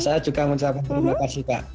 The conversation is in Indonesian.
saya juga mau ucapkan terima kasih kak